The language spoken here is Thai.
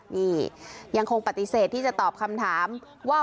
นี่ยังคงปฏิเสธที่จะตอบคำถามว่า